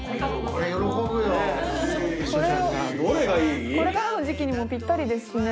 これからの時季にもぴったりですしね。